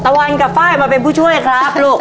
ตะวันกับไฟล์มาเป็นผู้ช่วยครับลูก